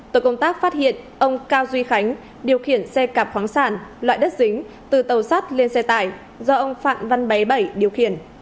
tội công tác phát hiện ông cao duy khánh điều khiển xe cạp khoáng sản loại đất dính từ tàu sắt lên xe tải do ông phạm văn bé bảy điều khiển